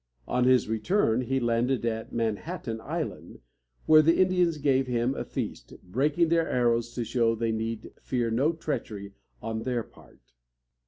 On his return he landed on Man hat´tan Island, where the Indians gave him a feast, breaking their arrows to show he need fear no treachery on their part.